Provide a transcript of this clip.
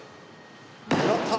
狙った！